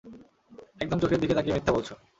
একদম চোখের দিকে তাকিয়ে মিথ্যা বলছ!